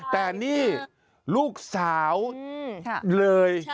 แต่นี่ลูกสาวเลย